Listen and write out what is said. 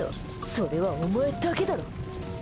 それはお前だけだろ。